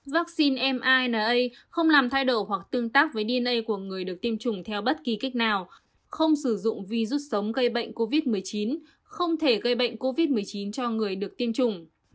vaccine mina không làm thay đổi hoặc tương tác với dina của người được tiêm chủng theo bất kỳ cách nào không sử dụng vi rút sống gây bệnh covid một mươi chín không thể gây bệnh covid một mươi chín cho người được tiêm chủng